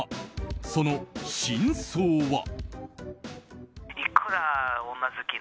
その真相は？